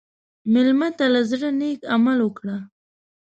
مېلمه ته له زړه نیک عمل وکړه.